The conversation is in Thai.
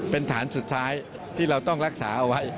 เป็นฐานสุดท้ายที่เราต้องรักษาเอาไว้